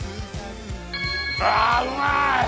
ああうまい！！